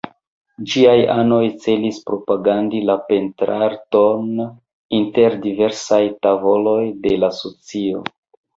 Ĝiaj anoj celis propagandi la pentrarton inter diversaj tavoloj de la socio.